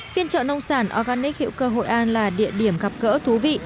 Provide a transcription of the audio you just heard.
phiên trợ nông sản organic hữu cơ hội an là địa điểm gặp gỡ thú vị